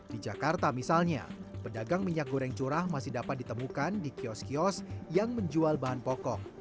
di jakarta misalnya pedagang minyak goreng curah masih dapat ditemukan di kios kios yang menjual bahan pokok